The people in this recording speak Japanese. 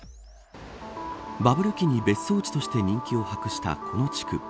バブル期に別荘地として人気を博したこの地区。